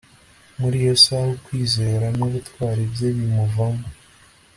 muri iyo saha ukwizera nubutwari bye bimuvamo